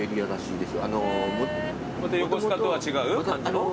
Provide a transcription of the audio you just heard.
また横須賀とは違う感じの？